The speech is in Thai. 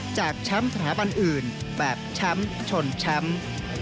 จากช้ำภรรยาบร้านอื่นแบบช้ำชนช้ำ